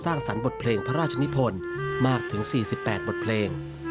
สรรบทเพลงพระราชนิพลมากถึง๔๘บทเพลง